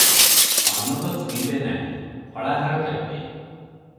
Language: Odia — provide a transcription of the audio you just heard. ଅନ୍ନ ତ ଛୁଇଁବେ ନାହିଁ, ଫଳାହାର କରିବେ ।